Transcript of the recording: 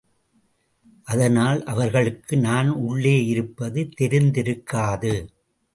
அதனால் அவர்களுக்கு நான் உள்ளே இருப்பது தெரிந்திருக்காது.